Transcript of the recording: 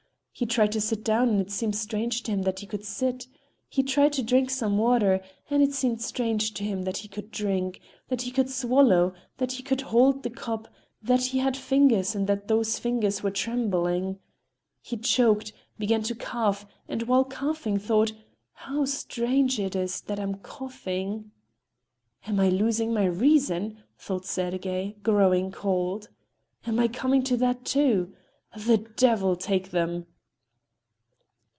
He tried to sit down—and it seemed strange to him that he could sit. He tried to drink some water—and it seemed strange to him that he could drink, that he could swallow, that he could hold the cup, that he had fingers and that those fingers were trembling. He choked, began to cough and while coughing, thought: "How strange it is that I am coughing." "Am I losing my reason?" thought Sergey, growing cold. "Am I coming to that, too? The devil take them!"